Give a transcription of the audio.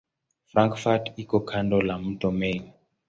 Frankfurt iko kando la mto Main.